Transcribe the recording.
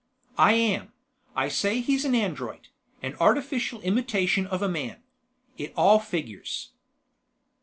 "I am. I say he's an android, an artificial imitation of a man. It all figures.